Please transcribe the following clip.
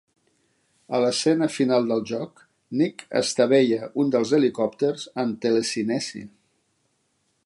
A l'escena final del joc, Nick estavella un dels helicòpters amb telecinesi.